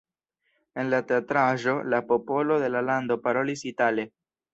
En la teatraĵo la popolo de la lando parolis itale.